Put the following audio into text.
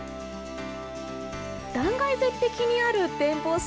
断崖絶壁にある展望所。